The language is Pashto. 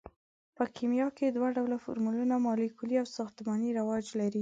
په کیمیا کې دوه ډوله فورمولونه مالیکولي او ساختماني رواج لري.